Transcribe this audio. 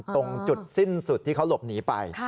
ตรงจุดสิ้นสุดที่เขาหลบหนีไป